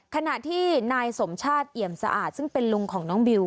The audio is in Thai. ขณะที่นายสมชาติเอี่ยมสะอาดซึ่งเป็นลุงของน้องบิว